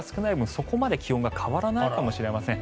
そこまで気温が変わらないかもしれません。